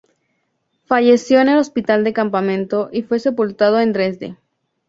Falleció en el hospital de campamento y fue sepultado en Dresde.